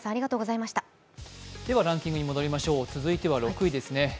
続いては６位です。